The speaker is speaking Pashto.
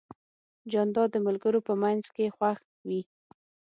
جانداد د ملګرو په منځ کې خوښ وي.